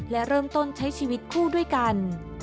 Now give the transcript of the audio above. และเริ่มต้นใช้ชีวิตคู่ด้วยกัน